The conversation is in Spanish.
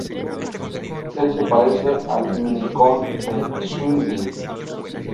Él se parece al Mini-Con de Swindle.